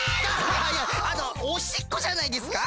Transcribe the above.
あのおしっこじゃないですか？